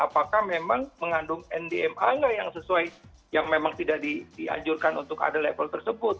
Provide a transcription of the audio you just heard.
apakah memang mengandung ndma nggak yang sesuai yang memang tidak dianjurkan untuk ada level tersebut